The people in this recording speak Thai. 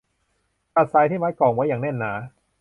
ตัดสายที่มัดกล่องไว้อย่างแน่นหนา